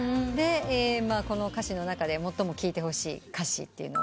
でこの歌詞の中で最も聴いてほしい歌詞って？